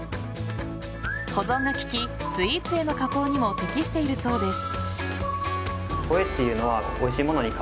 保存が利きスイーツへの加工にも適しているそうです。